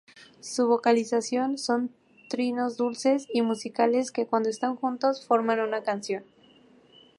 Su vocalización son trinos dulces y musicales, que cuando están juntos forman una canción.